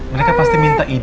mereka pasti minta ini